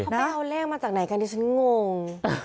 พ่อเป้าเลขมาจากไหนกันดิฉันงง